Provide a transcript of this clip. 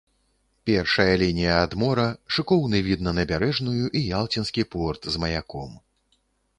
Першая лінія ад мора, шыкоўны від на набярэжную і ялцінскі порт з маяком.